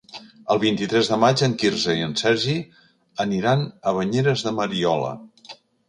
El vint-i-tres de maig en Quirze i en Sergi aniran a Banyeres de Mariola.